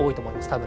多分。